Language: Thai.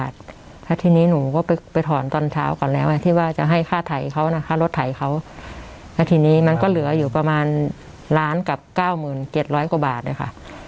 เท่าก่อนแล้วที่ว่าจะให้ค่าไถเขานะค่ารถไถเขาแล้วทีนี้มันก็เหลืออยู่ประมาณล้านกับก้าวหมื่นเจ็ดร้อยกว่าบาทเลยค่ะ